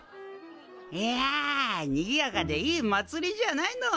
いやにぎやかでいいまつりじゃないの。